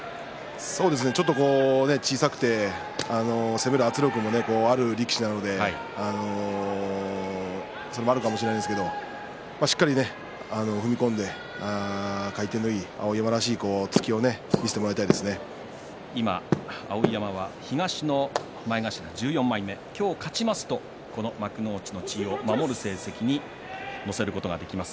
そうですね小さくて攻める圧力もある力士なのでそれもあるかもしれませんが碧山はしっかり踏み込んで回転のいい、碧山らしい突きを碧山は東の前頭１４枚目今日、勝ちますと幕内の地位を守る成績に乗せることができます